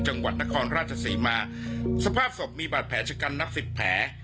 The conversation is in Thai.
จังหวัดนครราชศรีมาสภาพศพมีบาดแผลชะกันนับสิบแผล